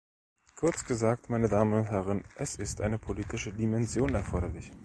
Kurz gesagt, meine Damen und Herren, es ist eine politische Dimension erforderlich.